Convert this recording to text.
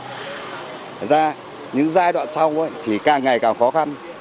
thật ra những giai đoạn sau thì càng ngày càng khó khăn